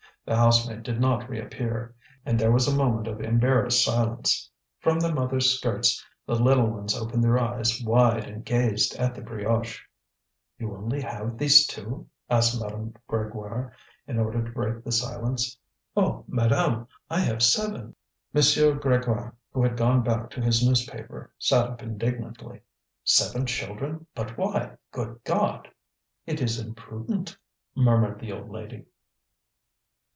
The housemaid did not reappear, and there was a moment of embarrassed silence. From their mother's skirts the little ones opened their eyes wide and gazed at the brioche. "You only have these two?" asked Madame Grégoire, in order to break the silence. "Oh, madame! I have seven." M. Grégoire, who had gone back to his newspaper, sat up indignantly. "Seven children! But why? good God!" "It is imprudent," murmured the old lady.